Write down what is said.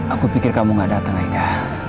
aku pikir kamu gak dateng aida